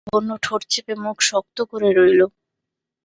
বলে লাবণ্য ঠোঁট চেপে মুখ শক্ত করে রইল।